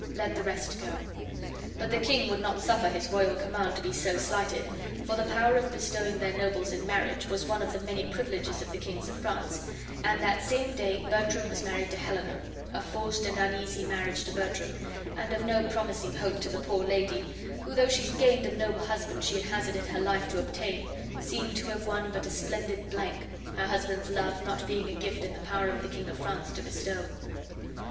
Let the rest go." But the king would not suffer his royal command to be so slighted, for the power of bestowing their nobles in marriage was one of the many privileges of the kings of France, and that same day Bertram was married to Helena, a forced and uneasy marriage to Bertram, and of no promising hope to the poor lady, who, though she gained the noble husband she had hazarded her life to obtain, seemed to have won but a splendid blank, her husband's love not being a gift in the power of the King of France to bestow.